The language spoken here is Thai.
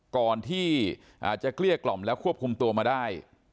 ก่อนที่จะเกลี้ยกล่อมแล้วควบคุมตัวมาได้